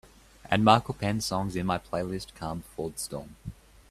add Michael Penn songs in my playlist Calm before the storm